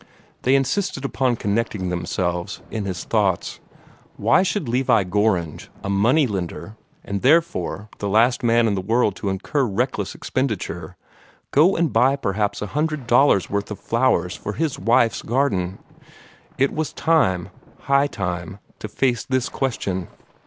They insisted upon connecting themselves in his thoughts. Why should Levi Gorringe, a money lender, and therefore the last man in the world to incur reckless expenditure, go and buy perhaps a hundred dollars, worth of flowers for his wife's garden? It was time high time to face this question.